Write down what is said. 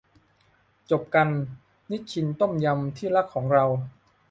จบกัน นิชชินต้มยำที่รักของเรา